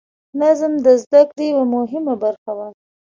نظم د زده کړې یوه مهمه برخه وه.